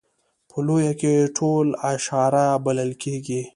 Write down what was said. په لویه کې ټول اشاعره بلل کېږي.